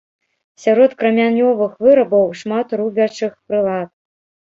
Сярод крамянёвых вырабаў шмат рубячых прылад.